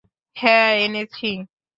হ্যাঁ, এনেছি।